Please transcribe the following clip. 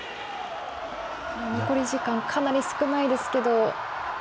残り時間、かなり少ないですが。